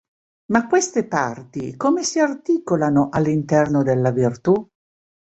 Ma queste parti come si articolano all'interno della virtù?